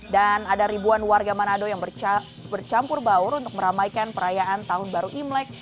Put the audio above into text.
dan ada ribuan warga manado yang bercampur baur untuk meramaikan perayaan tahun baru imlek